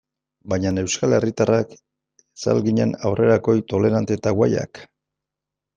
Baina euskal herritarrak ez al ginen aurrerakoi, tolerante eta guayak?